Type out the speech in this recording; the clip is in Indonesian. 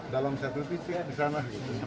dalam satu titik di sana